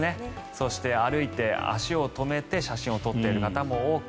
そして、歩いて足を止めて写真を撮っている方も多く